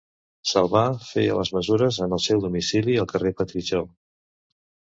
Salvà feia les mesures en el seu domicili, al carrer Petritxol.